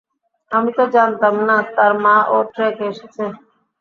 আমি তো জানতাম না তার মা ও ট্রেকে এসেছে।